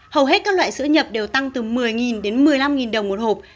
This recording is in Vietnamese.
hầu hết các loại sữa nhập đều tăng từ một mươi đến một mươi năm đồng một hộp